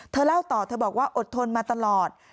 เล่าต่อเธอบอกว่าอดทนมาตลอด